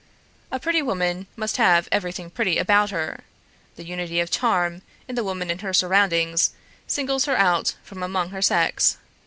A pretty woman must have everything pretty about her; the unity of charm in the woman and her surroundings singles her out from among her sex.